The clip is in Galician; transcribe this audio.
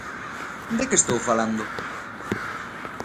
¿De que estou falando?